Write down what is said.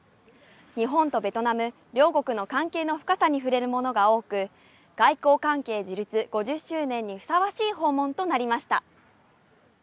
日本とベトナム両国の関係の深さに触れるものが多く、外交関係樹立５０周年にふさわしい訪問となりました。